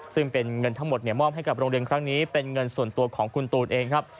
ซึ่งเป็นเงินทั้งหมดมอบให้กับโรงเรียนครั้งนี้เป็นเงินส่วนตัวของคุณตูนเองครับ